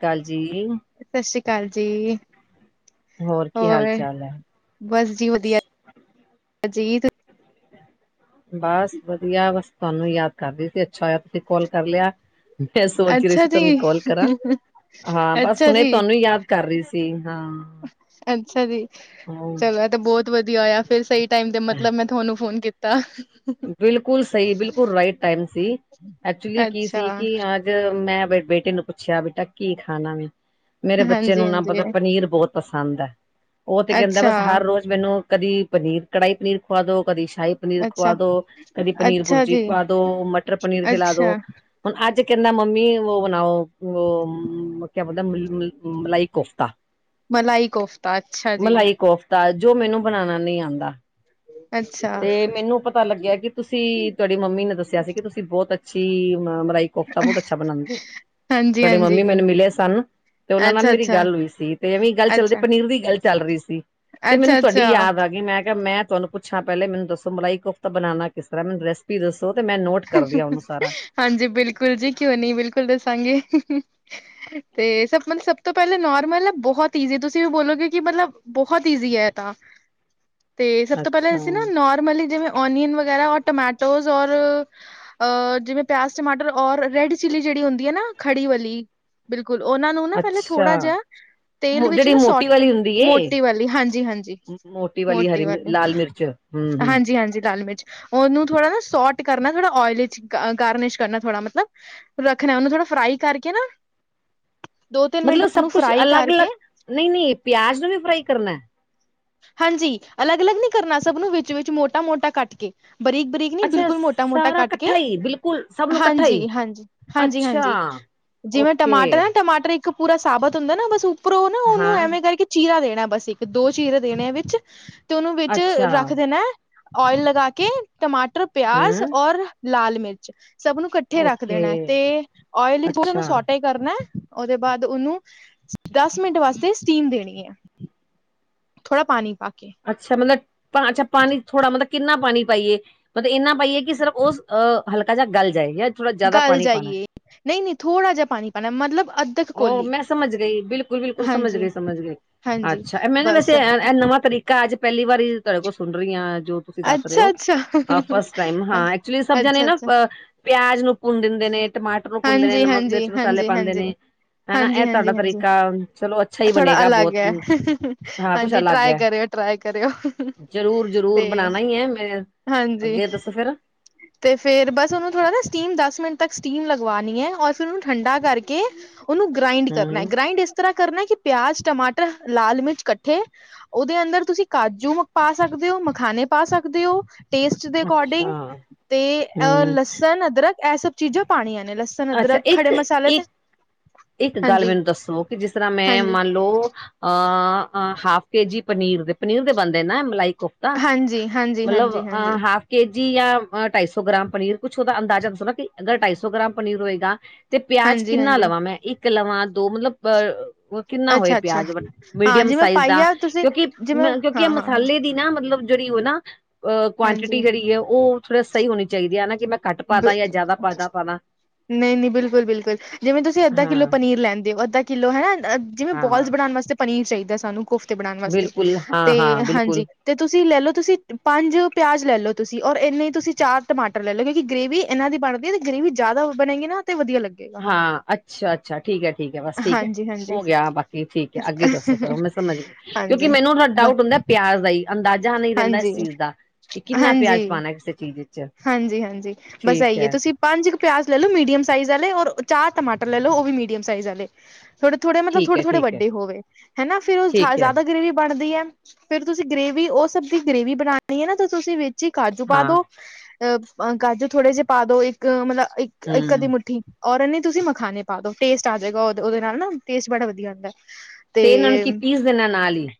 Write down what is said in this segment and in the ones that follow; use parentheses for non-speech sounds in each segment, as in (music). ਕਾਲ ਜੀ। ਸਤਿ ਸ੍ਰੀ ਅਕਾਲ ਜੀ, ਹੋਰ ਕੀ ਹਾਲ ਚਾਲ ਹੈ। ਬਸ ਜੀ ਵਧੀਆ ਅਜੀਤ ਬਸ ਵਧੀਆ ਬਸ ਤੁਹਾਨੂੰ ਯਾਦ ਕਰਦੀ ਸੀ ਅੱਛਾ ਹੋਇਆ ਤੁਸੀਂ ਕਾਲ ਕਰ ਲਿਆ। ਮੈਂ ਸੋਚ ਹੀ ਰਹੀ ਅੱਛਾ ਸੀ ਤੁਹਾਨੂੰ ਜੀ, ਕਾਲ ਕਰਾਂ ਹਾਂ ਬਸ ਅੱਛਾ ਹੁਣੇ ਜੀ, ਤੁਹਾਨੂੰ ਯਾਦ ਕਰ ਰਹੀ ਸੀ ਹਾਂ। (inaudible) ਅੱਛਾ ਜੀ। ਚਲੋ ਤੇ ਬਹੁਤ ਵਧੀਆ ਹੋਇਆ ਫਿਰ ਸਹੀ ਟਮ ਤੇ ਮਤਲਬ ਮੈਂ ਤੁਹਾਨੂੰ ਫੋਨ ਕੀਤਾ। (inaudible) ਬਿਲਕੁਲ ਸਹੀ ਬਿਲਕੁਲ ਰਾਈਟ ਟਾਈਮ ਸੀ ਐਕਚੁਲੀ ਕੀ ਅੱਛਾ। ਸੀ ਕਿ ਅ ਮੈਂ ਬੇਟੇ ਨੂੰ ਪੁੱਛਿਆ ਬੇਟਾ ਕੀ ਖਾਣਾ ਵੇ ਮੇਰੇ ਬੱਚੇ ਨੂੰ ਨਾ ਹਾਂਜੀ-ਹਾਂਜੀ, ਪਤਾ ਪਨੀਰ ਬਹੁਤ ਪਸੰਦ ਐ ਉਹ ਤੇ ਕਹਿੰਦਾ ਬਸ ਹਰ ਅੱਛਾ-ਅੱਛਾ, ਰੋਜ਼ ਮੈਨੂੰ ਕਦੀ ਪਨੀਰ ਕੜਾਹੀ ਪਨੀਰ ਖਵਾ ਦੋ ਕਦੀ ਸ਼ਾਹੀ ਪਨੀਰ ਖਵਾ ਅੱਛਾ ਅੱਛਾ ਦੋ ਕਦੀ ਪਨੀਰ ਅੱਛਾ ਬੁਰਜੀ ਜੀ। ਖਵਾ ਦੋ ਮਟਰ ਪਨੀਰ ਖਿਲਾ ਦੋ। ਅੱਛਾ, ਹੁਣ ਅੱਜ ਕਹਿੰਦਾ ਮੰਮੀ ਉਹ ਬਣਾ ਉਹ ਕਿਆ ਬ ਬੋਲਦਾ ਮ ਮਲਾਈ ਕੋਫਤਾ ਮਲਾਈ ਕੋਫਤਾ ਅੱਛਾ ਜੀ। ਤ ਜੋ ਮੈਨੂੰ ਬਣਾਉਣਾ ਨ ਆਂਦਾ ਅੱਛਾ, ਤੇ ਮੈਨੂੰ ਪਤਾ ਲੱਗਿਆ ਕਿ ਤੁਸੀਂ ਤੁਹਾਡੀ ਮੰਮੀ ਨੇ ਦੱਸਿਆ ਸੀ ਕਿ ਤੁਸੀਂ ਬਹੁਤ ਅੱਛੀ ਮ ਮਲਾਈ ਕੋਫਤਾ ਬਹੁਤ ਅੱਛਾ ਬਣਾਉਂਦੇ ਤੁਹਾਡੀ ਮੰਮੀ ਹਾਂਜੀ-ਹਾਂਜੀ। ਮੈਨੂੰ ਮਿਲੇ ਸਨ ਤੇ ਉਹਨਾਂ ਨਾਲ ਮੇਰੀ ਅੱਛਾ-ਅੱਛਾ, ਗੱਲ ਹੋਈ ਸੀ ਤੇ ਐਵੇਂ ਗੱਲ ਚੱਲਦੇ ਅੱਛਾ। ਪਨੀਰ ਦੀ ਗੱਲ ਚੱਲ ਰਹੀ ਸੀ ਤੇ ਮੈਨੂੰ ਤੁਹਾਡੀ ਅੱਛਾ-ਅੱਛਾ, ਯਾਦ ਆ ਗਈ ਮੈਂ ਕਿਹਾ ਮੈਂ ਤੁਹਾਨੂੰ ਪੁੱਛਾਂ ਪਹਿਲੇ ਮੈਨੂੰ ਦੱਸੋ ਮਲਾਈ ਕੋ ਤਾਂ ਬਣਾਣਾ ਕਿਸ ਤਰ੍ਹਾਂ ਮੈਨੂੰ ਰੈਸਪੀ ਦੱਸੋ ਤੇ ਮੈਂ ਨੋਟ ਕਰਦੀ ਆ ਉਹਨੂੰ ਸਾਰਾ ਹਾਂਜੀ ਬਿਲਕੁਲ ਜੀ ਕਿਉਂ ਨੀ ਬਿਲਕੁਲ ਦੱਸਾਂਗੇ। (inaudible) ਤੇ ਸਭ ਮਤਲਬ ਸਭ ਤੋਂ ਪਹਿਲਾਂ ਨੋਰਮਲ ਆ ਬਹੁਤ ਈਜ਼ੀ ਤੁਸੀਂ ਵੀ ਬੋਲੋ ਕਿਉਂਕਿ ਮਤਲਬ ਬਹੁਤ ਈਜ਼ੀ ਹੈ ਤਾਂ ਤੇ ਸਭ ਤੋਂ ਪਹਿਲਾਂ ਅੱਛਾ ਅਸੀਂ ਨਾ ਨੋਰਮਲੀ ਜਿਵੇਂ ਓਨੀਅਨ ਵਗੈਰਾ ਰ ਟਮੈਟੋ ਔਰ ਅ ਜਿਵੇਂ ਪਿਆਜ਼ ਟਮਾਟਰ ਔਰ ਰੈਡ ਚਿਲੀ ਜਿਹੜੀ ਹੁੰਦੀ ਆ ਨਾ ਖੜੀ ਵਲੀ ਬਿਲਕੁਲ ਉਹਨਾਂ ਨੂੰ ਨਾ ਪਹਿਲੇ ਥੋੜਾ ਅੱਛਾ ਜਿਹਾ ਤੇਲ ਮੋ ਵਿਚ ਜਿਹੜੀ ਨਾ ਮੋਟੀ ਸੋਟ ਵਾਲੀ ਹੁੰਦੀ ਏ ਮੋਟੀ ਵਾਲੀ ਹਾਂਜੀ -ਹਾਂਜੀ ਮੋਟੀ ਹਰੀ ਮਿਰ- ਵਾਲੀ ਲਾਲ ਮਿਰਚ ਹਮ ਹਮ ਹਾਂਜੀ -ਹਾਂਜੀ ਲਾਲ ਮਿਰਚ ਉਹਨੂੰ ਥੋੜਾ ਨਾ ਸੋਟ ਕਰਨਾ ਥੋੜਾ ਓਇਲੀ ਗਾਰਨਿਸ਼ ਕਰਨਾ ਥੋੜਾ ਮਤਲਬ ਰੱਖਣਾ ਉਹਨੂੰ ਥੋੜਾ ਫਰਾਈ ਕਰਕੇ ਨਾ ਦੋ ਤਿੰਨ ਮਿੰਟ ਉਹਨੂੰ ਫਰਾਈ ਕਰਕੇ ਨਹੀਂ-ਨਹੀਂ ਪਿਆਜ ਨੂੰ ਵੀ ਫਰਾਈ ਕਰਨਾ। ਹਾਂਜੀ ਅਲੱਗ-ਅਲੱਗ ਨੀ ਕਰਨਾ ਸਭ ਨੂੰ ਵਿੱਚ ਵਿੱਚ ਮੋਟਾ- ਮੋਟਾ ਕੱਟ ਕੇ ਬਰੀਕ- ਬਰੀਕ ਨਹੀਂ ਅੱਛਾ ਬਿਲਕੁਲ ਮੋਟਾ-ਮੋਟਾ ਸਾਰਾ ਕੱਟ ਕੇ ਇਕੱਠਾ ਹੀ ਬਿਲਕੁਲ ਸਭ ਨੂੰ ਇਕੱਠਾ ਹੀ ਹਾਂਜੀ- ਹਾਂਜੀ- ਹਾਂਜੀ- ਅੱਛਾ ਹਾਂਜੀ। ਜਿਵੇ ਓਕੇ ਟਮਾਟਰ ਹੈ ਟਮਾਟਰ ਇੱਕ ਪੂਰਾ ਸਾਬਤ ਹੁੰਦਾ ਨਾ ਬਸ ਉੱਪਰੋਂ ਨਾ ਉਹਨੂੰ ਹਾਂ ਐਵੇਂ ਕਰਕੇ ਚੀਰਾ ਦੇਣਾ ਬਸ ਇੱਕ ਦੋ ਚੀਰੇ ਦੇਣੇ ਵਿੱਚ ਤੇ ਉਹਨੂੰ ਵਿੱਚ ਅੱਛਾ ਰੱਖ ਦੇਣਾ ਓਇਲ ਲਗਾ ਕੇ ਟਮਾਟਰ ਪਿਆਜ ਹਮ ਔਰ ਲਾਲ ਮਿਰਚ ਸਭ ਨੂੰ ਕੱ ਕੱਠੇ ਰੱਖ ਓਕੇ ਦੇਣਾ ਤੇ ਓਇਲ 'ਚ ਉਨੂੰ ਅੱਛਾ ਸੋਟ ਕਰਨਾ ਉਹਦੇ ਬਾਅਦ ਉਹਨੂੰ ਦਸ ਮਿੰਟ ਵਾਸਤੇ ਸਟੀਮ ਦੇਣੀ ਐ। ਥੋੜਾ ਪਾਣੀ ਪਾ ਕੇ ਅੱਛਾ ਮਤਲਬ ਅੱਛਾ ਪਾਣੀ ਥੋੜ੍ਹਾ ਮਤਲਬ ਕਿੰਨਾ ਪਾਣੀ ਪਾਈਏ। ਮਤਲਬ ਇੰਨਾ ਪਾਈਏ ਕਿ ਸਿਰਫ ਉਹ ਅ ਹਲਕਾ ਜਿਹਾ ਗਲ ਜਾਏ ਜਾ ਗੱਲ ਜਾਈਏ ਨਹੀਂ -ਨਹੀਂ ਥੋੜ੍ਹਾ ਜਿਹਾ ਪਾਣੀ ਪਾਉਣਾ ਮਤਲਬ ਅੱ ਉਹ ਮੈਂ ਸਮਝ ਗਈ ਬਿਲਕੁਲ- ਬਿਲਕੁਲ ਸਮਝ ਹਾਂਜੀ ਗਈ -ਸਮਝ ਗਈ। ਹਾਂਜੀ ਅੱਛਾ ਮੈਂ ਨਾ ਬਸ ਵੈਸੇ ਇਹ ਨਵਾਂ ਤਰੀਕਾ ਅੱਜ ਪਹਿਲੀ ਵਾਰੀ ਤੁਹਾਡੇ ਕੋਲ ਸੁਣ ਰਹੀ ਹਾਂ ਜੋ ਤੁਸੀਂ ਦੱਸ ਰਹੇ ਅੱਛਾ ਹੋ ਅੱਛਾ ਫਸਟ ਟਾਈਮ ਹਾਂ ਐਕਚੁਲੀ ਸਭ ਜਾਣੇ ਅੱਛਾ ਨਾ ਅੱਛਾ ਅ ਪਿਆਜ ਨੂੰ ਭੁੰਨ ਦਿੰਦੇ ਨੇ ਟਮਾਟਰ ਨੂੰ ਭੁੰਨਦੇ ਨੇ ਹਾਂਜੀ ਨਮਕ ਹਾਂਜੀ ਮਿਰਚ ਮਸਾਲੇ ਹਾਂਜੀ ਪਾਉਂਦੇ ਹਾਂਜੀ ਨੇ। ਹਨਾ ਹਾਂਜੀ ਇਹ ਤੁਹਾਡਾ ਹਾਂਜੀ ਹਾਂਜੀ ਤਰੀਕਾ ਚਲੋ ਅੱਛਾ ਹੀ ਥੋੜਾ ਬਣੇਗਾ ਅਲੱਗ ਬਹੁਤ ਹੈ ਹਾਂ ਕੁਛ ਹਾਂਜੀ ਅਲੱਗ ਟਰਾਈ ਹੈ। ਕਰਿਓ ਟਰਾਈ ਕਰਿਓ ਜ਼ਰੂਰ- ਜ਼ਰੂਰ, ਤੇ ਬਣਾਉਣਾ ਹੀ ਹੈ ਮੈਂ। ਹਾਂਜੀ, ਅੱਗੇ ਦੱਸੋ ਫੇਰ ਤੇ ਫੇਰ ਬਸ ਉਹਨੂੰ ਥੋੜਾ ਨਾ, ਸਟੀਮ ਦਸ ਮਿੰਟ ਤੱਕ ਸਟੀਮ ਲ ਵਾਉਣੀ ਹੈ ਔਰ ਫੇਰ, ਉਹਨੂੰ ਠੰਡਾ ਕਰਕੇ ਉਹਨੂੰ ਗ੍ਰਾਇੰਡ ਕਰਨਾ ਹਮ ਗ੍ਰਾਇੰਡ ਇਸ ਕਿਸ ਤਰਾਂ ਕਰਨਾ ਕਿ, ਪਿਆਜ਼, ਟਮਾਟਰ, ਲਾਲ ਮਿਰਚ ਇਕੱਠੇ। ਉਹਦੇ ਅੰਦਰ ਤੁਸੀਂ, ਕਾਜੂ ਪਾ ਸਕਦੇ ਓ, ਮਖਾਣੇੇ ਪਾ ਸਕਦੇ ਓ। ਟੇਸਟ ਦੇ ਅੱਛਾ ਅਕੋਡਿੰਗ, ਤੇ ਅਹ ਹਮ ਲਸਣ, ਅਦਰਕ ਇਹ ਸਭ ਚੀਜ਼ਾਂ ਪਾਣੀਆਂ ਨੇ ਲਸ ਅੱਛਾ ਅਦਕਰ ਖੜੇ ਇੱਕ ਮਸਾਲ ਤੇ ਇੱਕ ਇੱਕ ਗੱਲ ਹਾਂਜੀ ਮੈਨੂੰ ਦੱਸੋ। ਕਿ ਜਿਸ ਤਰਾਂ ਮੈਂ ਹਾਂਜੀ ਮੰਨ ਲਓ ਅ ਹਾਫ ਕੇ-ਜੀ ਪਨੀਰ ਦੇ, ਪਨੀਰ ਦੇ ਬਣਦੇ ਨਾ ਮਲਾਈ ਕੋਫ ਤਾਂ। ਹਾਂਜੀ ਹਾਂਜੀ ਮਤਲਬ ਹਾਂਜੀ ਅ ਹਾਂਜੀ ਹਾਫ ਕੇ ਜੀ ਜਾਂ ਢਾਈ ਸੌ ਗ੍ਰਾਮ ਪਨੀਰ। ਕੁੱਛ ਉਹਦਾ ਅੰਦਾਜ਼ਾ ਦੱਸੋ ਨਾ। ਕਿ ਅਗਰ ਢਾਈ ਸੌ ਗ੍ਰਾਮ ਪਨੀਰ ਹੋਏਗਾ? ਤੇ ਪਿਆਜ ਹਾਂਜੀ ਕਿੰਨਾ ਹਾਂਜੀ ਲਵਾਂ ਮੈਂ। ਇੱਕ ਲਵਾਂ ਦੋ ਮਤਲਬ ਅ ਕਿੰਨਾ ਹੋਏ, ਅੱਛਾ ਅੱਛਾ ਪਿਆਜ ਹਾਂ ਮੀਡੀਅਮ ਜਿਵੇਂ ਸਾਈਜ਼ ਦਾ। ਪਾਈਆ ਤੁਸੀਂ ਕਿਉਂਕਿ ਜਿਵੇਂ ਮ ਕਿਉਂਕਿ ਇਹ ਹਾਂ ਹਾਂ ਹਾਂ ਮਸਾਲੇ ਦੀ ਨਾ ਮਤਲਬ, ਜਿਹੜੀ ਉਹ ਨਾ ਅ ਕੁਆਂਟਿਟੀ ਹਾਂਜੀ ਜਿਹੜੀ ਐ। ਉਹ ਥੋੜੀ ਸਹੀ ਹੋਣੀ ਚਾਹੀਦੀ ਐ। ਕਿ ਮੈਂ ਘੱਟ ਪਾ ਬ ਦਾਂ ਜਾਂ ਜ਼ਿਆਦਾ ਪਾਤਾ ਪਾਦਾਂ। ਨਹੀਂ-ਨਹੀਂ, ਬਿਲਕੁਲ-ਬਿਲਕੁਲ। ਜਿਵੇਂ ਤੁਸੀਂ ਅੱਧਾ ਕਿੱਲੋ ਹਾਂ ਪਨੀਰ ਲੈਂਦੇ ਓ। ਅੱਧਾ ਕਿੱਲੋ ਹੈ। ਜਿਵੇਂ ਹਾਂ ਹਾਂ ਬੋਲਸ ਬਣਾਉਣ ਵਾਸਤੇ ਪਨੀਰ ਚਾਹੀਦਾ ਸਾਨੂੰ ਕੋਫਤੇ ਬਣਾਉਣ ਵਾਸਤੇ। ਬਿਲਕੁਲ ਹਾਂ ਤੇ ਹਾਂ ਬਿਲਕੁਲ ਹਾਂਜੀ, ਤੇ ਤੁਸੀਂ, ਲੈ ਲਓ ਤੁਸੀਂ ਪੰਜ ਪਿਆਜ ਲੈ ਲਓ। ਤੁਸੀਂ ਔਰ ਇੰਨੇ ਹੀ, ਤੁਸੀਂ ਚਾਰ ਟਮਾਟਰ ਲੈ ਲਓ। ਤੇ ਗਰੇੇਵੀ ਇਹਨਾਂ ਦੀ ਬਣਦੀ ਐ। ਤੇ ਗ੍ਰੇਵੀ ਜਿਆਦਾ ਬਣੇਗੀ ਨਾ, ਤੇ ਵਧੀਆ ਲੱਗ ਹਾਂ। ਅੱਛਾ- ਅੱਛਾ, ਠੀਕ ਹੈ, ਠੀਕ ਹੈ, ਬਸ ਠੀਕ ਹੈ, ਹਾਂਜੀ-ਹਾਂਜੀ, ਹੋ ਗਿਆ। ਬਾਕੀ ਠੀਕ ਹੈ। ਅੱਗੇ ਦੱਸੋ, ਫੇਰ ਉਹ ਹਾਂਜੀ ਮੈਂ ਸਮਝਗੀ। ਕਿਉਂਕਿ। ਹਾਂਜੀ ਮੈਨੂੰ ਥੋੜਾ ਬ ਡਾਊਟ ਹੁੰਦਾ ਪਿਆਜ ਦਾ ਈ। ਅੰਦਾਜ਼ਾ ਨਹੀਂ ਰਹਿੰਦਾ, ਇਸ ਹਾਂਜੀ, ਚੀਜ਼ ਦਾ। ਕਿ ਕਿੰਨਾ ਪਿਆਜ ਪਾਉਣਾ, ਕਿਸੇ ਚੀਜ਼ ਵਿੱਚ। ਹਾਂਜੀ- ਹਾਂਜੀ, ਬਸ ਠੀਕ ਏਈ ਏ, ਹੈ ਤੁਸੀਂ ਤੇ ਪੰਜ ਕੁ ਪਿਆਜ਼ ਲੈ ਲਓ ਮੀਡੀਅਮ ਸਾਈਜ਼ ਵਾਲੇ। ਔਰ ਚਾਰ ਟਮਾਟਰ ਲੈ ਲਓ ਉਹ ਵੀ ਮੀਡੀਅਮ ਸਾਈਜ਼ ਵਾਲੇ। ਥੋੜੇ- ਥੋੜੇ ਮਤਲਬ ਠੀਕ ਥੋੜੇ- ਹੈ ਥੋੜੇ, ਠੀਕ ਹੈ ਵੱਡੇ ਹੋ ਗਏ, ਹਨਾ। ਫੇਰ ਠੀਕ ਹੈ ਜ਼ਿਆਦਾ ਗਰੇਵੀ ਬਣਦੀ ਐ। ਫੇਰ ਤੁਸੀਂ ਗ੍ਰੇਵੀ, ਉਹ ਸਬ ਦੀ ਗ੍ਰੇਵੀ ਬਣਾਉਣੀ ਐ। ਨਾ ਤੇ ਤੁਸੀਂ ਵਿੱਚ ਹੀ ਕਾਜੂ ਪਾ ਹਾਂ ਦੋ ਅ ਕਾਜੂ ਥੋੜੇ ਜਿਹੇ ਪਾ ਦੋ, ਇੱਕ ਮਤਲਬ ਇੱਕ। ਇੱਕ, ਅੱਧੀ ਹਮ ਮੁੱਠੀ ਔਰ ਏਨੇ ਹੀ ਤੁਸੀਂ ਮਖਾਨਣੇ ਪਾ ਦੋ, ਟੇਸਟ ਆਜੇਗਾ ਉਹਦੇ ਨਾਲ ਟੇਸਟ ਬੜਾ ਵਧੀਆ ਆਦਾ। ਤੇ ਇਹਨਾਂ ਨੂੰ, ਕੀ ਪੀਸ ਦੇਣਾ ਨਾਲ ਈ?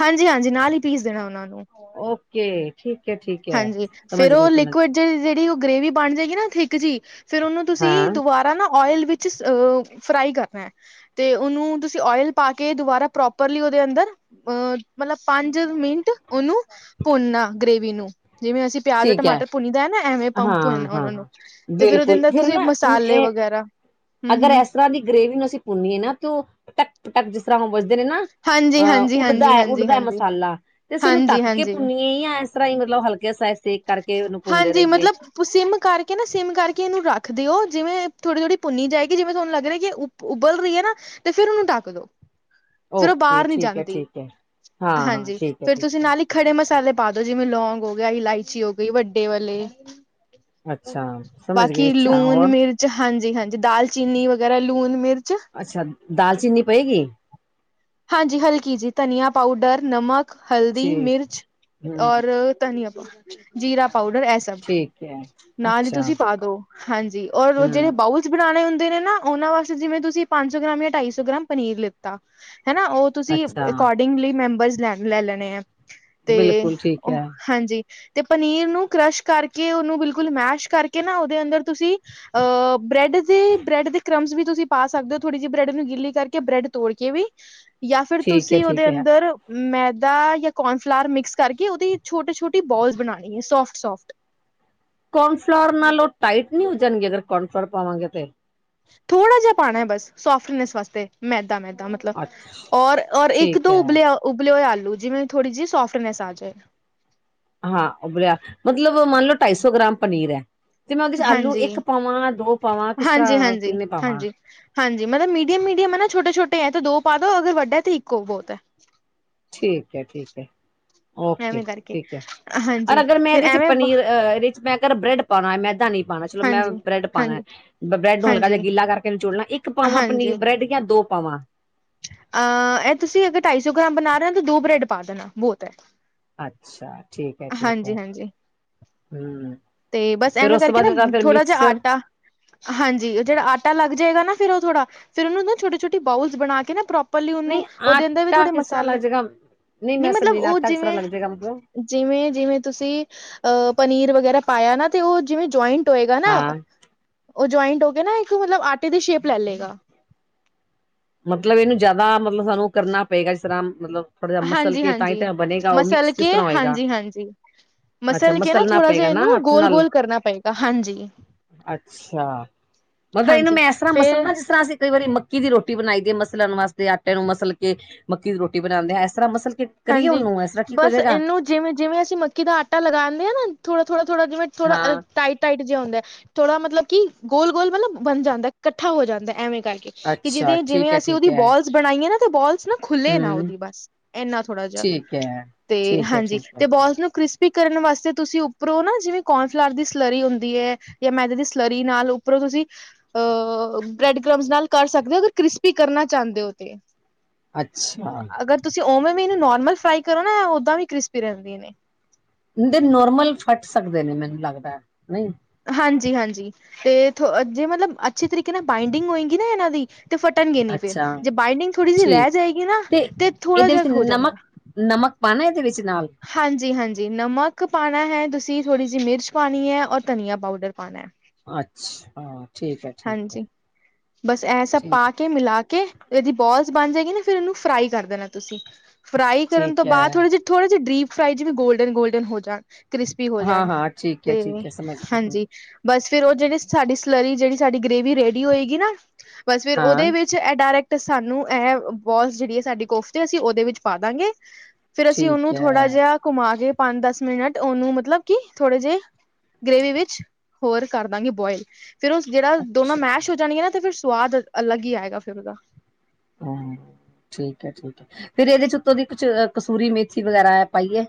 ਹਾਂਜੀ- ਹਾਂਜੀ, ਨਾਲ ਹੀ ਪੀਸ ਦੇਣਾ ਉਹਨਾਂ ਨੂੰ। ਓਕੇ, ਠੀਕ ਹੈ, ਠੀਕ ਹੈ, ਸਮਝ ਗਈ, ਸਮਝ ਗਈ। ਤੇ ਜਿਹੜੀ ਉਹ, ਗ੍ਰੇਵੀ ਬਣ ਜਾਏਗੀ ਨਾ ਥਿੱਕ ਜੀ। ਫੇਰ ਉਹਨੂੰ ਤੁਸੀਂ, ਹਾਂ ਦਬਾਰਾ ਨਾ ਓਇਲ ਵਿਚ ਜਸਟ ਓ, ਫਰਾਈ ਕਰਨਾ ਐ। ਤੇ ਓਨੂੰ, ਤੁਸੀਂ ਓਇਲ ਪਾ ਕੇ ਦੁਬਾਰਾ ਪ੍ਰੋਪਰਲੀ ਓਦੇ ਅੰਦਰ ਅਹ ਮਤਲਬ ਪੰਜ ਮਿੰਟ ਉਹਨੂੰ, ਭੁੰਨਨਾ ਗ੍ਰੇਵੀ ਨੂੰ। ਜਿਵੇਂ ਅਸੀਂ ਪਿਆਜ, ਠੀਕ ਹੈ ਟਮਾਟਰ ਭੁੰਨੀ ਦਾ ਐ ਨਾ। ਐਵੇਂ ਹਾਂ ਭੁੰਨ-ਭੁੰਨ ਲੋਓ ਹਾਂ ਉਹਨਾਂ ਨੂੰ, ਹਾਂ ਤੇ ਫੇਰ ਉਹਦੇ ਬਿਲਕੁਲ ਅਦਰ ਫਿਰ ਤੁਸੀਂ ਮਸਾਲੇ ਨਾ ਵਗੈਰਾ ਹਮ ਅਗਰ ਹਮ ਇਸ ਤਰਾਂ ਦੀ ਗ੍ਰਰੇਵੀ ਨੂੰ, ਅਸੀਂ ਭੁੰਨੀਏ ਨਾ। ਤਾਂ ਟਕ-ਟਕ ਜਿਸ ਤਰਾਂ ਉਹ ਵਜਦੇ ਨੇ ਨਾ। ਹਾਂਜੀ ਅਹ ਹਾਂਜੀ ਹਾਂਜੀ ਉੱਡਦਾ- ਹਾਂਜੀ ਉੱਡਦਾ ਹਾਂਜੀ ਮਸਾਲਾ। ਤੇ ਅਸੀਂ ਇਹਨੂੰ ਹਾਂਜੀ ਢੱਕ ਕੇ ਹਾਂਜੀ ਭੁੰਨੀਏ ਯਾ ਆਈ ਤਰਾਂ ਹੀ, ਹਲਕੇ ਸਾਈਜ਼। ਹਾਂਜੀ ਮਤਲਬ ਤੁਸੀ ਸਿਮ ਕਰਕੇ ਨਾ, ਸਿਮ ਕਰਕੇ ਇਹਨੂੰ ਰੱਖ ਦਿਓ। ਜਿਵੇਂ ਥੋੜੀ-ਥੋੜੀ, ਭੁੰਨ ਜਾਏਗੀ। ਜਿਵੇਂ ਤੁਹਾਨੂੰ ਲੱਗ ਰਿਹਾ ਕੀ ਉਪ ਉਬਲ ਰਹੀ ਹੈ ਨਾ। ਤੇ ਫੇਰ ਉਹਨੂੰ ਡੱਕ ਦੋ। ਫਿਰ ਉਹ ਓਕੇ ਬਾਹਰ ਨੀ ਠੀਕ ਹੈ ਜਾਂਦੀ। ਠੀਕ ਹੈ ਹਾਂ ਹਾਂ ਹਾਂਜੀ ਠੀਕ ਹੈ ਫੇਰ, ਤੁਸੀਂ ਠੀਕ ਹੈ ਨਾਲ ਹੀ ਖੜੇ ਮਸਾਲੇ ਪਾ ਦੋ। ਜਿਵੇਂ ਲੌਂਗ ਹੋ ਗਿਆ, ਇਲਾਇਚੀ ਹੋ ਗਈ ਵੱਡੇ ਵਾਲੇ ਅੱਛਾ ਸਮਝ ਗਏ ਬਾਕੀ ਅੱਛਾ ਲੂਣ- ਹੋਰ ਮਿਰਚ ਚ ਹਾਂਜੀ- ਹਾਂਜੀ, ਦਾਲਚੀਨੀ ਵਗੈਰਾ ਲੂਣ- ਮਿਰਚ। ਅੱਛਾ। ਦਾਲਚੀਨੀ ਪੇਗੀ। ਹਾਂਜੀ ਹਲਕੀ ਜੀ। ਧਨੀਆ ਪਾਊਡਰ, ਨਮਕ ਹਲਦੀ, ਠੀਕ ਮਿਰਚ, ਹਮ ਔਰ ਧਨੀਆਂ ਪਾਉਡਰ, ਜੀਰਾ ਪਾਊਡਰ, ਐਸ ਠੀਕ ਹੈ ਨਾਲ ਹੀ ਅੱਛਾ ਤੁਸੀਂ ਪਾ ਦੋ, ਹਾਂਜੀ ਔਰ ਜਿਹੜੇ ਹਮ ਬਾਹੁ ਬਣਾਣੇ ਹੁੰਦੇ ਨੇ ਨਾ। ਉਹਨਾਂ ਵਾਸਤੇ, ਜਿਵੇਂ ਤੁਸੀਂ ਪੰਜ ਸੌ ਗ੍ਰਾਮ ਜਾਂ ਢਾਈ ਸੌ ਗ੍ਰਾਮ ਪਨੀਰ ਲਿੱਤਾ ਹਨਾ। ਉਹ ਤੁਸੀਂ ਅੱਛਾ ਅਕੋਡਿੰਗਲੀ ਮੈਂਬਰਸ ਲੈ- ਲੈ ਲੈਣੇ ਐ। ਤੇ ਬਿਲਕੁਲ ਠੀਕ ਉਹ ਹੈ ਹਾਂਜੀ। ਤੇ ਪਨੀਰ ਨੂੰ ਕ੍ਸ਼ ਕਰਕੇ, ਉਹਨੂੰ ਬਿਲਕੁਲ ਮੈਸ਼ ਕਰਕੇ ਨਾ ਉਹਦੇ ਅੰਦਰ ਤੁਸੀਂ ਅਹ ਬ੍ਰੈਡ ਜੀ, ਬ੍ਰੈਡ ਦੇ ਕ੍ਰਮਸ ਵੀ ਤੁਸੀਂ ਪਾ ਸਕਦੇ ਹੋ ਥੋੜ੍ਹੀ ਜਿਹੀ ਬ੍ਰੈਡ ਨੂੰ ਗਿੱਲੀ ਕਰਕੇ ਬ੍ਰੈਡ ਤੋੜ ਕੇ ਵੀ ਜਾਂ ਫਿਰ ਠੀਕ ਹੈ ਤੁਸੀਂ ਠੀਕ ਉਹਦੇ ਹੈ ਅੰਦਰ ਮੈਦਾ ਜਾਂ ਕੋਰਨਫਲਾਵਰ ਮਿਕਸ ਕਰਕੇ ਉਹਦੀ ਛੋਟੀ-ਛੋਟੀ ਬੋਲਸ ਬਣਾਣੀ ਹੈ ਸੋਫਟ-ਸੋਫਟ ਕੋਰਨਫਲਾਵਰ ਨਾਲ ਉਹ ਟਾਈਟ ਨਹੀਂ ਹੋ ਜਾਣਗੇ ਅਗਰ ਕੋਰਨਫਲਾਰ ਪਾਵਾਂਗੇ ਤੇ ਥੋੜ੍ਹਾ ਜਿਹਾ ਪਾਣੈ ਬਸ ਸੋਫਨੈਸ ਵਾਸਤੇ ਮੈਦਾ-ਮੈਦਾ ਮਤਲਬ ਅੱਛਾ ਮਤਲਬ ਔਰ-ਔਰ ਇੱਕ ਠੀਕ ਦੋ ਹੈ ਉਬਲੇ-ਉਬਲੇ ਹੋਏ ਆਲੂ ਜਿਵੇਂ ਥੋੜ੍ਹੀ ਜਿਹੀ ਸੋਫਟਨੈਸ ਆ ਜਾਏ ਹਾਂ ਉਬਲਿਆ ਮਤਲਬ ਮੰਨ ਲਓ ਢਾਈ ਸੌ ਗ੍ਰਾਮ ਪਨੀਰ ਹੈ ਤੇ ਮੈਂ ਉਹਦੇ ਚ ਆਲੂ ਹਾਂਜੀ ਇੱਕ ਪਾਵਾਂ ਦੋ ਪਾਵਾਂ ਕਿਸ ਹਾਂਜੀ ਤਰ੍ਹਾਂ ਹਾਂਜੀ ਕਿੰਨੇ ਪਾਵਾਂ ਹਾਂਜੀ ਹਾਂਜੀ ਮਤਲਬ ਮੀਡੀਅਮ-ਮੀਡੀਅਮ ਹੈ ਨਾ ਛੋਟੇ ਛੋਟੇ ਹੈ ਤੇ ਦੋ ਪਾ ਦੋ ਅਗਰ ਵੱਡਾ ਤੇ ਇੱਕੋ ਬਹੁਤ ਹੈ ਠੀਕ ਹੈ ਠੀਕ ਹੈ ਓਕੇ ਐਵੇਂ ਕਰਕੇ ਠੀਕ ਹੈ ਅਰ ਹਾਂਜੀ ਅਗਰ ਮੈਂ ਫਿਰ ਇਹਦੇ ਚ ਐਵੇਂ ਪਨੀਰ ਅ ਅ ਮੈਂ ਅਗਰ ਬ੍ਰੈਡ ਪਾਣੈ ਮੈਦਾ ਨੀ ਪਾਣਾ ਚਲੋ ਮੈਂ ਹਾਂਜੀ ਬ੍ਰੈਡ ਪਾਣੈ ਹਾਂਜੀ ਬ੍ਰੈੱਡ ਨੂੰ ਹਲਕਾ ਜਿਹਾ ਹਾਂਜੀ ਗਿੱਲਾ ਕਰਕੇ ਨਿਚੋੜ ਲਾਂ ਇੱਕ ਪਾਵਾਂ ਹਾਂਜੀ ਪਨੀਰ ਬ੍ਰੈਡ ਜਾਂ ਦੋ ਪਾਵਾਂ ਅਹ ਇਹ ਤੁਸੀਂ ਅਗਰ ਢਾਈ ਸੌ ਗ੍ਰਾਮ ਬਣਾ ਰਹੇ ਹੋ ਤਾਂ ਦੋ ਬ੍ਰੈਡ ਪਾ ਦੇਣਾ ਬਹੁਤ ਹੈ ਅੱਛਾ ਠੀਕ ਹੈ ਠੀਕ ਹਾਂਜੀ ਹੈ ਹਾਂਜੀ ਹਮ ਤੇ ਬਸ ਫੇਰ ਐਵੇਂ ਉਸ ਤੋਂ ਕਰਕੇ ਬਾਅਦ ਨਾ ਇਹਦਾ ਫਿਰ ਥੋੜਾ ਜਿਹਾ ਮਿਕਸਚਰ ਆਟਾ ਹਾਂਜੀ ਜਿਹੜਾ ਆਟਾ ਲੱਗ ਜਾਏਗਾ ਨਾ ਫਿਰ ਉਹ ਥੋੜਾ ਫਿਰ ਉਹਨ ਨਾ ਛੋਟੀ-ਛੋਟੀੇ ਬੋਲਸ ਬਣਾ ਕੇ ਨਾ ਪ੍ਰੋਪ ਪਲੀ ਉਹਨੂੰ ਨਹੀਂ ਉਹਦੇ ਅੰਦਰ ਵੀ ਆਟਾ ਥੋੜੇ ਕਿਸ ਤਰ੍ਹਾਂ ਮਸਾਲੇ ਲੱਗ ਜਾਏਗਾ ਨਹੀਂ ਨੀ ਮੈਂ ਮਤਲਬ ਸਮਝੀ ਉਹ ਆਟਾ ਜਿਵੇਂ (unintelligible) ਜਿਵੇਂ ਜਿਵੇਂ ਤੁਸੀਂ ਅ ਪਨੀਰ ਵਗੈਰਾ ਪਾਇਆ ਨਾ ਤੇ ਉਹ ਜਿਵੇਂ ਜਆਇੰਟ ਟ ਹੋਏਗਾ ਨਾ ਹਾਂ ਉਹ ਜੁਆਇੰਟ ਹੋ ਕੇ ਨਾ ਇੱਕ ਮਤਲਬ ਆਟੇ ਦੀ ਸ਼ੇਪ ਲੈ ਲਏਗਾ ਮਤਲਬ ਇਹਨੂੰ ਜ਼ਿਆਦਾ ਮਤਲਬ ਸਾਨੂੰ ਕਰਨਾ ਪਏਗਾ ਜਿਸ ਤਰ੍ਹਾਂ ਮਤਲਬ ਥੋੜਾ ਜਿਹਾ ਮਸਲ ਕੇ ਤਾਂ ਹੀ ਹਾਂਜੀ-ਹਾਂਜੀ ਤਾਂ ਬਣੇਗਾ ਉਹ ਮਸਲ ਮਿਕਸ ਕਿਸ ਕੇ ਤਰ੍ਹਾਂ ਹੋਏਗਾ ਹਾਂਜੀ-ਹਾਂਜੀ ਅੱਛਾ ਮਸਲ ਕੇ ਨਾ ਮਸਲਣਾ ਥੋੜਾ ਜਿਹਾ ਪਏਗਾ ਨਾ ਇਹਨੂੰ ਹੱਥ ਨਾਲ ਗੋਲ-ਗੋਲ ਕਰਨਾ ਪਏਗਾ ਹਾਂਜੀ ਅੱਛਾ ਮਤਲਬ ਇਹਨੂੰ ਮੈਂ ਇਸ ਤਰ੍ਹਾਂ ਫੇਰ ਮਸਲ ਨਾ ਜਿਸ ਤਰ੍ਹਾਂ ਅਸੀਂ ਕਈ ਵਾਰੀ ਮੱਕੀ ਦੀ ਰੋਟੀ ਰੋਟੀ ਬਣਾਈ ਦੇ ਮਸਲਣ ਵਾਸਤੇ ਆਟੇ ਨੂੰ ਮਸਲ ਕੇ ਮੱਕੀ ਦੀ ਰੋਟੀ ਬਣਾਂਦੇ ਹਾਂ ਇਸ ਤਰ੍ਹਾਂ ਮਸਲ ਕੇ ਕਰੀਏ ਉਹਨੂੰ ਇਸ ਤਰ੍ਹਾਂ ਠੀਕ ਹੋ ਜਾਏਗਾ ਜਿਵੇਂ-ਜਿਵੇ ਅਸੀਂ ਮੱਕੀ ਦਾ ਆਟਾ ਲਗਾਂਦੇ ਆਨਾ ਥੋੜ੍ਹ-ਥੋੜ੍ਹ-ਥੋੜ੍ਹਾ ਥੋੜ੍ਹਾ ਹਾਂ ਟਾਈਟ ਟਾਈਟ ਜਿਹਾ ਹੁੰਦੈ ਥੋੜਾ ਮਤਲਬ ਕਿ ਗੋਲ-ਗੋਲ ਮਤਲਬ ਬਣ ਜਾਂਦਾ ਇਕੱਠਾ ਹੋ ਜਾਂਦਾ ਹੈ ਐਵੇਂ ਕਰਕੇ ਕਿ ਅੱਛਾ ਜਿਦੇ ਠੀਕ ਜਿਵੇਂ ਹੈ ਅਸੀਂ ਠੀਕ ਉਹਦੀ ਹੈ ਬੋਲਸ ਬਣਾਈਏ ਨਾ ਤੇ ਬੋਲਸ ਨਾ ਖੁੱਲ੍ਹੇ ਨਾ ਹਮ ਉਹਦੀ ਬਸ ਇੰਨਾ ਥੋੜਾ ਜਿਹਾ ਠੀਕ ਹੈ ਤੇ ਠੀਕ ਹੈ ਹਾਂਜੀ ਠੀਕ ਤੇ ਹੈ ਬੋਲਸ ਨੂੰ ਕ੍ਰਿਸਪੀ ਕਰਨ ਵਾਸਤੇ ਤੁਸੀਂ ਉੱਪਰੋਂ ਨਾ ਜਿਵੇਂ ਕੋਰਨਫਲਾਰ ਦੀ ਸਲਰੀ ਹੁੰਦੀ ਹੈ ਜਾਂ ਮੈਂਦੇ ਦੀ ਸਲਰੀ ਨਾਲ ਉੱਪਰੋਂ ਤੁਸੀਂ ਅ ਬ੍ਰੈਡ ਕ੍ਰਮਸ ਨਾਲ ਕਰ ਸਕਦੇ ਹੋ ਅਗਰ ਕ੍ਰਿਸਪੀ ਕਰਨਾ ਚਾਹੁੰਦੇ ਹੋ ਤੇ ਅੱਛਾ ਅਗਰ ਤੁਸੀਂ ਓਵੇਂ ਵੀ ਇਹਨੂੰ ਨੋਰਮਲ ਫਰਾਈ ਕਰੋ ਨਾ ਓਦਾਂ ਵੀ ਕ੍ਰਿਸਪੀ ਰਹਿੰਦੀਆਂ ਨੇ ਦੇ ਨੋਰਮਲ ਫੱਟ ਸਕਦੇ ਨੇ ਮੈਨੂੰ ਲੱਗਦਾ ਨਹੀਂ ਹਾਂਜੀ-ਹਾਂਜੀ ਤੇਥ ਜੇ ਮਤਲਬ ਅੱਛੇ ਤਰੀਕੇ ਨਾਲ ਬਾਈਡਿੰਗ ਹੋਏਗੀ ਨਾ ਇਹਨਾਂ ਦੀ ਤੇ ਫਟਣਗੇ ਨੀ ਫੇਰ ਅੱਛਾ ਜੇ ਬਾਈੰਡਿੰਗ ਥੋੜੀ ਜਿਹੀ ਠੀਕ ਰਹਿ ਜਾਏਗੀ ਨਾ ਤੇ ਥੋੜਾ ਇਹਦੇ ਜਿਹਾ ਵਿੱਚ ਹੋ ਜਾਂਗਾ ਨਮਕ ਨਮਕ ਪਾਣੈ ਇਹਦੇ ਵਿੱਚ ਨਾਲ ਹਾਂਜੀ-ਹਾਂਜੀ ਨਮਕ ਪਾਣਾ ਹੈ ਤੁਸੀਂ ਥੋੜ੍ਹੀ ਜਿਹੀ ਮਿਰਚ ਪਾਣੀ ਹੈ ਔਰ ਧਨੀਆ ਪਾਊਡਰ ਪਾਣਾ ਹੈ ਅੱਛਾ ਠੀਕ ਹੈ ਠੀਕ ਹੈ ਹਾਂਜੀ ਬਸ ਇਹ ਸਭ ਠੀਕ ਪਾ ਕੇ ਮਿਲਾ ਕੇ ਇਹਦੀ ਬੋਲਸ ਬਣ ਜਾਏਗੀ ਨਾ ਫਿਰ ਇਹਨੂੰ ਫਰਾਈ ਕਰ ਦੇਣਾ ਤੁਸੀਂ ਫਰਾਈ ਕਰਨ ਤੋਂ ਠੀਕ ਹੈ ਬਾਅਦ ਥੋੜੇ ਜਿਹੇ ਥੋੜ੍ਹਾ ਜੇ ਡੀਪ ਫਰਾਈ ਜਿਵੇ ਗੋਲਡਨ-ਗੋਲਡਨ ਹੋ ਜਾਣ ਕ੍ਰਿਸਪੀ ਹੋ ਹਾਂ ਜਾਣ ਹਾਂ ਠੀਕ ਹੈ ਤੇ, ਠੀਕ ਹੈ ਸਮਝ ਗਈ ਹਾਂਜੀ। ਬਸ ਫੇਰ ਉਹ ਜਿਹੜੀ ਸਾਡੀ ਸਲਰੀ, ਜਿਹੜੀ ਸਾਡੀ ਗ੍ਰੇਵੀ ਰੇਡੀ ਹੋਏਗੀ ਨਾ ਬਸ ਫੇਰ ਹਾਂ ਉਹਦੇ ਵਿੱਚ ਇਹ ਡਾਇਰੈਕਟ ਸਾਨੂੰ ਇਹ ਬੋਲਸ ਜਿਹੜੀ ਐ ਸਾਡੀ ਕੋਫਤੇ ਅਸੀਂ ਉਹਦੇ ਵਿੱਚ ਪਾ ਦਾਂਗੇ ਫੇਰ ਅਸੀਂ ਠੀਕ ਉਹਨੂੰ ਹੈ ਥੋੜਾ ਜਿਹਾ ਘੁਮਾ ਕੇ ਪੰਜ ਦਸ ਮਿੰਟ ਉਹਨੂੰ ਮਤਲਬ ਕੀ ਥੋੜੇ ਜਿਹੇ ਗ੍ਰੇਵੀ ਵਿੱਚ ਹੋਰ ਕਰਦਾਂਗੇ ਬੋਇਲ ਫਿਰ ਉਹ ਜਿਹੜਾ ਦੋਨਾਂ ਅੱਛਾ ਮੈਸ਼ ਹੋ ਜਾਣੀਆਂ ਨਾ ਫਿਰ ਸਵਾਦ ਅਲੱਗ ਹੀ ਆਏਗਾ ਫ਼ਿਰ ਉਹਦਾ। ਹਾਂ, ਠੀਕ ਏ, ਠੀਕ ਏ। ਫੇਰ ਇਹਦੇ ਚ ਉਤੋਂ ਦੀ ਕਸੂਰੀ ਮੇਥੀ ਵਗੈਰਾ ਪਾਈਏ।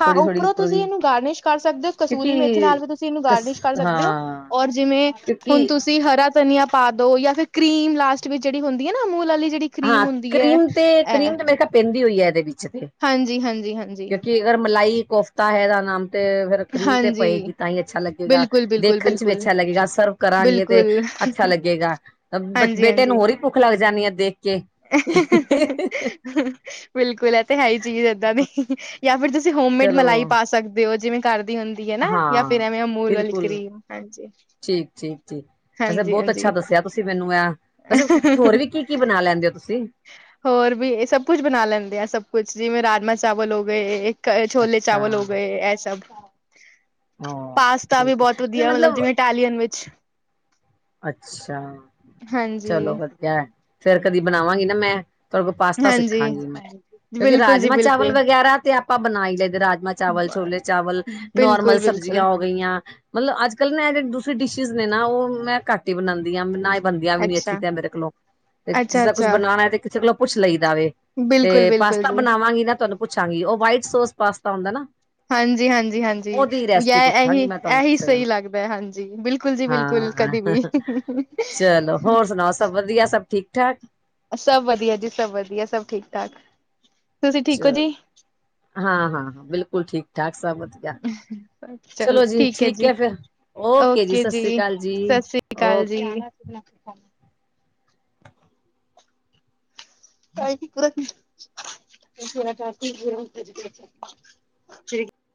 ਹਾਂ ਥੋੜ੍ਹੀ ਥੋੜ੍ਹੀ ਉੱਪਰੋਂ ਤੁਸੀਂ ਦੀ ਇਹਨੂੰ ਗਾਰਨਿਸ਼ ਕਰ ਸਕਦੇ ਹੋ, ਕਸੂਰੀ ਕਿਉਂਕਿ ਮੇਥੀ ਨਾਲ ਵੀ ਤੁਸੀਂ ਇਹਨੂੰ ਕਸ ਗਾਰਨਿਸ਼ ਕਰ ਸਕਦੇ ਹੋ। ਹਾਂ ਔਰ ਜਿਵੇਂ ਕਿਉਂਕਿ ਹੁਣ ਤੁਸੀਂ ਹਰਾ ਧਨੀਆ ਪਾ ਦੋ ਜਾਂ ਫਿਰ ਕਰੀਮ ਲਾਸਟ ਵਿੱਚ ਜਿਹੜੀ ਹੁੰਦੀ ਐ ਨਾ, ਅਮੂਲ ਵਾਲੀ ਜਿਹੜੀ ਕਰੀਮ ਹਾਂ ਹੁੰਦੀ ਹੈ ਕਰੀਮ ਤੇ ਕਰੀਮ ਤੇ ਮੈਂ ਕਿਹਾ ਪੈਂਦੀ ਹੋਈ ਐ, ਇਹਦੇ ਵਿੱਚ ਤੇ ਹਾਂਜੀ-ਹਾਂਜੀ-ਹਾਂਜੀ। ਕਿਉਂਕਿ ਅਗਰ ਮਲਾਈ ਕੋਫਤਾ ਹੈਦਾ ਨਾਮ ਤੇ ਫਿਰ ਕਰੀਮ ਤੇ ਹਾਂਜੀ ਪਏਗੀ ਤਾਂ ਹੀ ਅੱਛਾ ਲੱਗੇਗਾ, ਬਿਲਕੁਲ ਬਿਲਕੁਲ ਦੇਖਣ ਚ ਵੀ ਬਿਲਕੁਲ ਅੱਛਾ ਲੱਗੇਗਾ, ਸਰਵ ਕਰਾਂਗੇ ਤੇ ਬਿਲਕੁਲ ਅੱਛਾ ਲੱਗੇਗਾ। ਬ ਹਾਂਜੀ ਬੇਟੇ ਨੂੰ ਹਾਂਜੀ ਹੋਰ ਹੀ ਭੁੱਖ ਲੱਗ ਜਾਂਦੀ ਆ ਦੇਖ ਕੇ ਬਿਲਕੁਲ ਐ ਤੇ ਹੈ ਹੀ ਚੀਜ਼ ਏਦਾਂ ਦੀ। ਜਾਂ ਫਿਰ ਤੁਸੀਂ ਹੋਮਮੇਡ ਚਲੋ ਮਲਾਈ ਪਾ ਸਕਦੇ ਹੋ, ਜਿਵੇਂ ਕਰਦੀ ਹੁੰਦੀ ਦੀ ਐ ਨਾ ਜਾਂ ਫਿਰ ਹਾਂ ਐਵੇਂ ਮੂਲ ਆਲੀ ਬਿਲਕੁਲ ਕਰੀਮ, ਹਾਂਜੀ। ਵੈਸੇ ਹਾਂਜੀ ਬਹੁਤ ਹਾਂਜੀ ਅੱਛਾ ਦੱਸਿਆ ਤੁਸੀਂ ਮੈਨੂੰ ਆ, ਵੈਸੇ ਹੋਰ ਵੀ ਕੀ-ਕੀ ਬਣਾ ਲੈਂਦੇ ਹੋ ਤੁਸੀਂ। ਹੋਰ ਵੀ ਇਹ ਸਭ ਕੁਛ ਬਣਾ ਲੈਂਦੇ ਆ, ਸਭ ਕੁਛ ਜਿਵੇਂ ਰਾਜਮ ਚਾਵਲ ਹੋ ਗਏ। ਛੋਲੇ ਅੱਛਾ ਚਾਵਲ ਹੋ ਗਏ, ਇਹ ਸਭ ਹਾਂ ਪਾਸਤਾ ਵੀ ਠੀਕ ਬਹੁਤ ਹੈ ਵਧੀਆ ਮਤਲਬ ਜਿਵੇਂ ਇਟਾਲਅਨ ਵਿੱਚ ਅੱਛਾ, ਹਾਂਜੀ ਚਲੋ ਵਧੀਆ ਫੇਰ ਕਦੀ ਬਣਾਵਾਂਗੀ ਨਾ ਮੈਂ ਤੁਹਾਡੇ ਕੋਲ ਪਾਸਤਾ ਹਾਂਜੀ ਸਿੱਖਾਂਗੀ ਮੈਂ ਕਿਉਂਕਿ ਬਿਲਕੁਲ ਜੀ ਰਾਜਮਾਂ ਚਾਵਲ ਬਿਲਕੁਲ ਵਗੈਰਾ ਤੇ ਆਪ ਆਪਾਂ ਬਣਾਈ ਲਏਦੇ ਰਾਜਮਾਂ ਚਾਵਲ, ਛੋਲੇ ਚਾਵਲ, ਨੋਰਮਲ ਬਿਲਕੁਲ ਬਿਲਕੁਲ ਸਬਜੀਆਂ ਹੋ ਗਈਆਂ। ਮਤਲਬ ਅੱਜ-ਕੱਲ੍ਹ ਨਾ ਜਿਹੜੀ ਦੂਸਰੀ ਡਿਸ਼ਿਜ਼ ਨੇ ਨਾ, ਉਹ ਮੈਂ ਘੱਟ ਹੀ ਬਣਾਦੀ ਹਾਂ। ਬੰਦੀਆਂ ਵੀ ਨੀ ਅੱਛੀ ਅੱਛਾ ਤੇ ਮੇਰੇ ਕੋਲੋਂ ਤੇ ਅੱਛਾ ਜਿਸਦਾ ਕੁਛ ਅੱਛਾ ਬਣਾਉਣਾ ਤੇ ਕਿਸੇ ਕੋਲੋਂ ਪੁੱਛ ਲਈ ਦਾ ਵੇ ਤੇ ਬਿਲਕੁਲ ਬਿਲਕੁਲ ਪਾਸਤਾ ਜੀ ਬਣਾਵਾਂਗੀ ਨਾ ਤੁਹਾਨੂੰ ਪੁੱਛਾਂਗੀ, ਉਹ ਵਾਈਟ ਸੋਸ ਪਾਸਤਾ ਹੁੰਦਾ ਨਾ। ਹਾਂਜੀ-ਹਾਂਜੀ-ਹਾਂਜੀ। ਉਹਦੀ ਵੀ ਯ ਰੈਸਪੀ ਇਹੀ ਪੁੱਛਾਂਗੀ ਮੈਂ ਤੁਹਾਨੂੰ ਇਹੀ ਕਿਸੇ ਦਿਨ ਸਹੀ ਲੱਗਦਾ ਐ ਹਾਂਜੀ, ਬਿਲਕੁਲ ਜੀ ਬਿਲਕੁਲ ਹਾਂ ਕਦੇ ਵੀ ਚਲੋ, ਹੋਰ ਸੁਣਾਓ ਸਭ ਵਧੀਆ, ਸਭ ਠੀਕ-ਠਾਕ। ਸਭ ਵਧੀਆ ਜੀ ਸਭ ਵਧੀਆ ਸਭ ਠੀਕ -ਠਾਕ, ਤੁਸੀਂ ਠੀਕ ਹੋ ਜੀ। ਹਾਂ-ਹਾਂ-ਹਾਂ, ਬਿਲਕੁਲ ਠੀਕ-ਠਾਕ ਸਭ ਵਧੀਆ। ਚਲੋ ਠੀਕ ਐ ਜੀ, ਓਕੇ ਜੀ, ਸਤਿ ਸ੍ਰੀ ਓਕੇ ਅਕਾਲ ਜੀ। (inaudible) (unintelligible) ਜੀ।